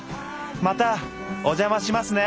またお邪魔しますね！